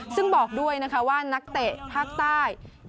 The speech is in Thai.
ซึ่งบอกด้วยนะคะว่านักเตะภาคใต้